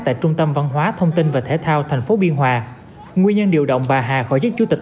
tại trung tâm văn hóa thông tin và thể thao tp biên hòa nguyên nhân điều động bà hà khỏi giác chủ tịch